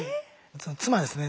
妻ですね